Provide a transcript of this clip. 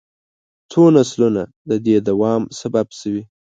څو نسلونه د دې دوام سبب شوي.